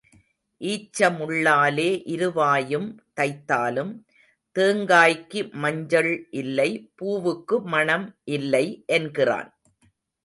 ஈச்சமுள்ளாலே இருவாயும் தைத்தாலும் தேங்காய்க்கு மஞ்சள் இல்லை, பூவுக்கு மணம் இல்லை என்கிறான்.